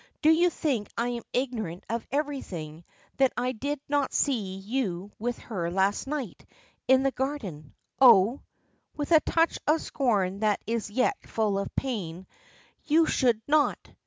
"Do you think I am ignorant of everything, that I did not see you with her last night in the garden? Oh!" with a touch of scorn that is yet full of pain, "you should not.